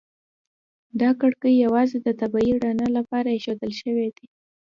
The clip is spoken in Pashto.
دا کړکۍ یوازې د طبیعي رڼا لپاره ایښودل شوي دي.